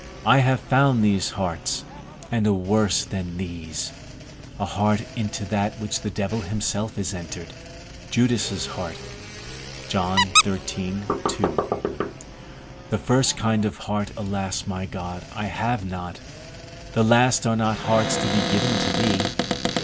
I have found these hearts, and a worse than these, a heart into the which the devil himself is entered, Judas's heart. The first kind of heart, alas, my God, I have not; the last are not hearts to be given to thee.